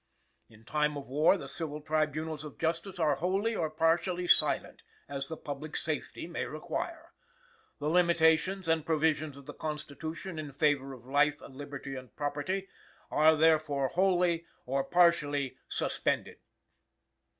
"In time of war the civil tribunals of justice are wholly or partially silent, as the public safety may require; the limitations and provisions of the Constitution in favor of life, liberty and property are therefore wholly or partially suspended."